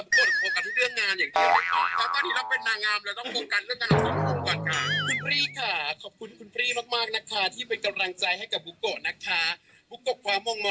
บุโกะไม่ได้โฟกัสที่เรื่องนั้นเลยนะคะบุโกะก็โฟกัสที่เรื่องงานอย่างเดียวเลยค่ะ